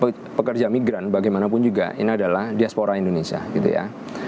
jadi untuk pekerja migran bagaimanapun juga ini adalah diaspora indonesia gitu ya